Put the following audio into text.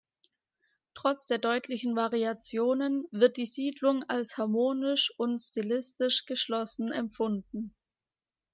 Trotz der deutlichen Variationen wird die Siedlung als harmonisch und stilistisch geschlossen empfunden.